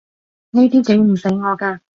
呢啲整唔死我㗎